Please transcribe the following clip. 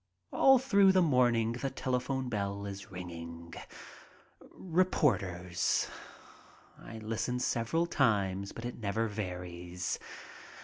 All through the morning the telephone bell is ringing. Reporters. I listen several times, but it never varies.